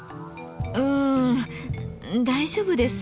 うん大丈夫です？